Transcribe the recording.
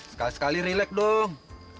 sekali sekali rilek dong